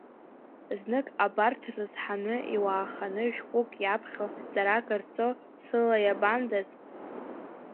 Знык абарҭ рызҳаны, иуааханы, шәҟәык иаԥхьо, ҵарак рҵо, сылаиабандаз!